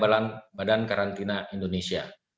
dan arahan oleh badan karantina indonesia